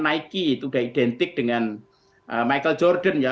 nike itu udah identik dengan michael jordan ya